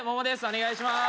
お願いします